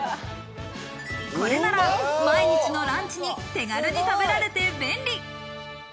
これなら毎日のランチに手軽に食べられて便利。